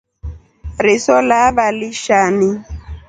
Riso lava lishani.